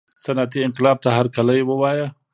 صنعتي انقلاب ته هرکلی ووایه.